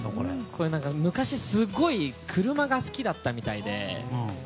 これ、昔すごい車が好きだったみたいで。